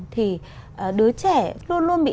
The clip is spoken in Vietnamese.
thì đứa trẻ luôn luôn bị